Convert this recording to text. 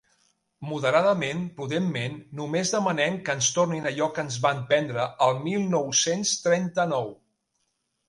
Moderadament, prudentment, només demanem que ens tornin allò que ens van prendre el mil nou-cents trenta-nou.